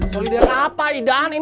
solider apa idan ini mau dianterin